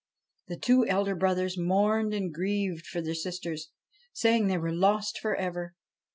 The two elder brothers mourned and grieved for their sisters, saying they were lost for ever.